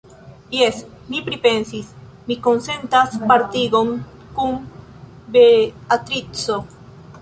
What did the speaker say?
Jes, mi pripensis: mi konsentas partigon kun Beatrico.